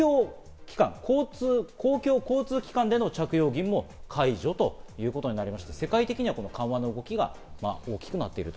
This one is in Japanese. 公共の交通機関での着用義務も解除ということになりまして、世界的には緩和の動きが大きくなっている。